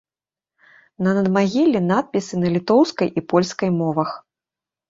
На надмагіллі надпісы на літоўскай і польскай мовах.